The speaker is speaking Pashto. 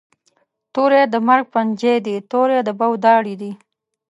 توری د مرګ پنجی دي، توری د بو داړي دي